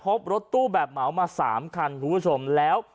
พบรถตู้แบบเหมามา๓คันคุณผู้ชมแล้ว